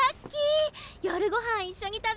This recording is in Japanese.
夜ごはん一緒に食べよ！